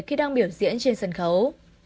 khi đang biểu diễn trên sân khấu